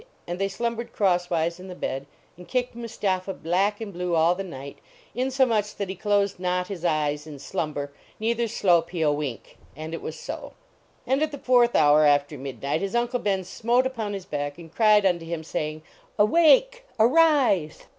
And they slumbered crosswise in the bed, and kicked Mustapha black and blue all the night, inso much that he closed not his eyes in slumber, neither slope he a wink. And it was so. And at the fourth hour after midnight, his Uncle Ben smote upon his back, and cried unto him, saying: "Awake! Arise!